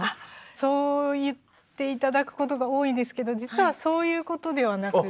そう言って頂くことが多いんですけど実はそういうことではなくって。